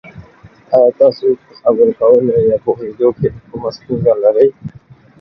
ایا تاسو په خبرو کولو یا پوهیدو کې کومه ستونزه لرئ؟